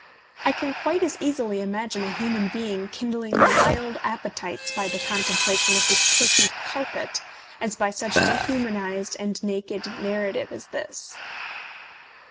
I can quite as easily imagine a human being kindling wild appe tites by the contemplation of his Turkey carpet as by such dehumanized and naked narrative as this.